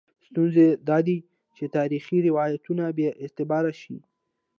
ستونزه دا ده چې تاریخي روایتونه بې اعتباره شي.